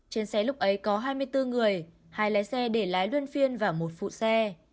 trên xe lúc ấy có hai mươi bốn người hai lái xe để lái luân phiên và một phụ xe